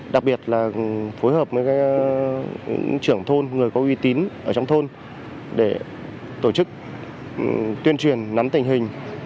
đặc biệt là phối hợp với các trưởng thôn người có uy tín ở trong thôn để tổ chức tuyên truyền nắm tình hình